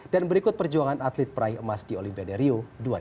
dan berikut perjuangan atlet peraih emas di olimpiade rio dua ribu enam belas